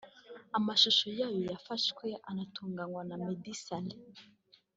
amashusho yayo yafashwe anatunganywa na Meddy Saleh